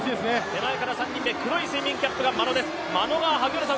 手前から３人目、黒いスイミングキャップが眞野です。